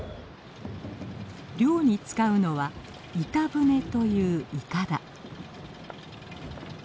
漁に使うのは「板舟」といういかだ。